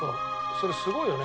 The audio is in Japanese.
それすごいよね。